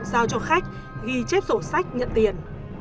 giao cho khách ghi chép sổ sách nhận tiền